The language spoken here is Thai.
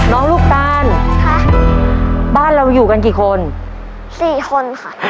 ลูกตาลค่ะบ้านเราอยู่กันกี่คนสี่คนค่ะ